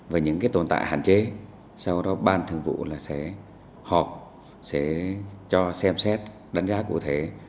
và những tồn tại hạn chế sau đó ban thường vụ sẽ họp sẽ cho xem xét đánh giá cụ thể